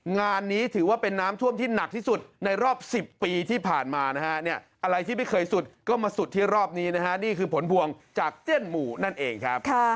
นี่คือผลพวงจากเตี้ยนหมูนั่นเองครับ